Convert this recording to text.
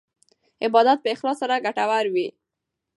عبادت په اخلاص سره ګټور وي.